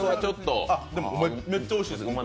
めっちゃおいしいです。